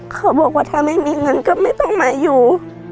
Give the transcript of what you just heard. เขาบอกว่าถ้าไม่มีเงินก็ไม่ต้องมาอยู่